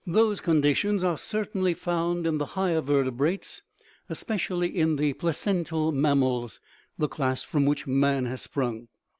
Those conditions are certainly found in the higher vertebrates, especially in the placental mam mals, the class from which man has sprung.